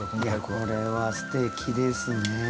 これはすてきですねえ。